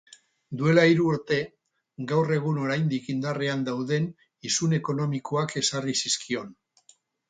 Duela hiru urte, gaur egun oraindik indarrean dauden isun ekonomikoak ezarri zizkion.